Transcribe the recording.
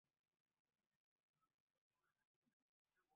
Fortunate Rose Nantongo, ye yadda mu bigere bya nnyina mu paalamenti.